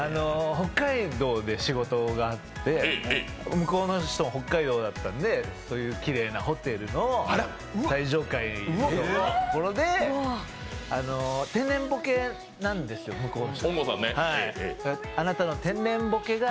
北海道で仕事があって向こうの人も北海道だったんできれいなホテルの最上階のところで、天然ボケなんですよ、向こうの人が。